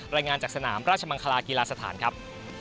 รายงานจากสนามราชมังคลากีฬาสถานครับ